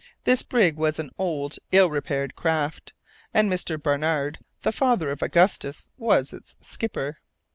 This brig was an old, ill repaired craft, and Mr. Barnard, the father of Augustus, was its skipper.